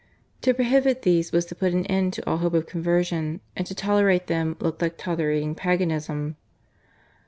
To prohibit these was to put an end to all hope of conversion, and to tolerate them looked like tolerating Paganism.